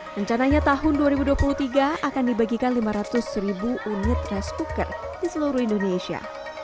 rencananya tahun dua ribu dua puluh tiga akan dibagikan lima ratus ribu unit rice cooker di seluruh indonesia